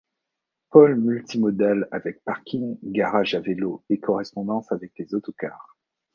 Pôle multimodal avec parking, garage à vélo et correspondance avec les autocars.